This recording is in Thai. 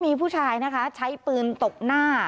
มีผู้ชายนะคะใช้ปืนตบหน้า